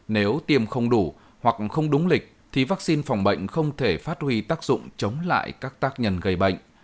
nếu tiêm không đủ hoặc không đúng lịch thì vaccine phòng bệnh không thể phát huy tác dụng chống lại các tác nhân gây bệnh